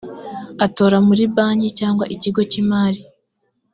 atora muri banki cyangwa ikigo cy’ imari.